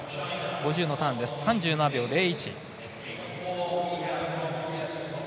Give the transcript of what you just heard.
５０のターン３７秒０１。